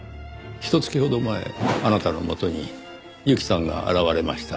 ひと月ほど前あなたのもとに由季さんが現れました。